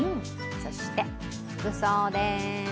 そして服装です。